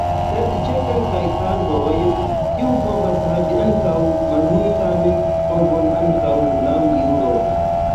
Sed ĉe kelkaj kazoj tiu povas havi ankaŭ malmultan povon ankaŭ laŭ juro.